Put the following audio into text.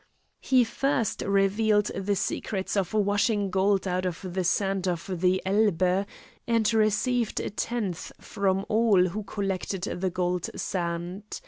He first revealed the secret of washing gold out of the sand of the Elbe, and received a tenth from all who collected the gold sand.